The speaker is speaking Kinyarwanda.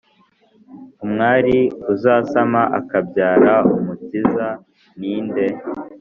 umwari uzasama akabyara umukiza ni nde ?